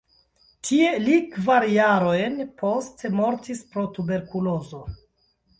Tie li kvar jarojn poste mortis pro tuberkulozo.